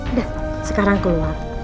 udah sekarang keluar